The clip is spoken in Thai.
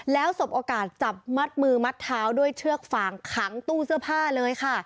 แล้วสบโอกาสจับมัดมือมัดเท้าด้วยเชือกฟางขังตู้เสื้อผ้าเลยค่ะ